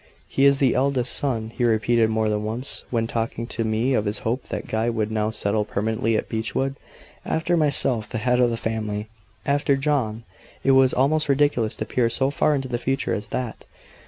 "He is the eldest son," he repeated more than once, when talking to me of his hope that Guy would now settle permanently at Beechwood. "After myself, the head of the family." After John! It was almost ridiculous to peer so far into the future as that.